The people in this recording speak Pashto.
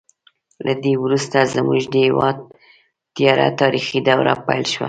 له دې وروسته زموږ د هېواد تیاره تاریخي دوره پیل شوه.